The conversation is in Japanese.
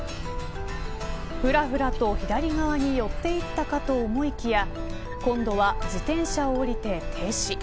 ふらふらと左側に寄っていったかと思いきや今度は自転車を降りて停止。